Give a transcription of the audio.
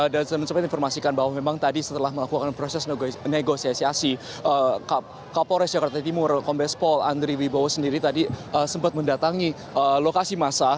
dan saya ingin informasikan bahwa memang tadi setelah melakukan proses negosiasi kapolres jakarta timur kombes pol andri wibowo sendiri tadi sempat mendatangi lokasi masa